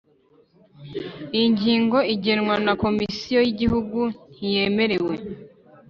iyi ngingo igenwa na Komisiyo y Igihugu ntiyemewe